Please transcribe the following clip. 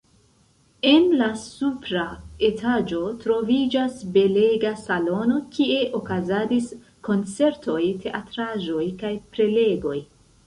En la supra etaĝo troviĝas belega salono, kie okazadis koncertoj, teatraĵoj kaj prelegoj.